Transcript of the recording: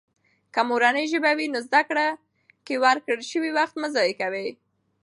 که مورنۍ ژبه وي، نو زده کړې کې ورکړل شوي وخت مه ضایع کېږي.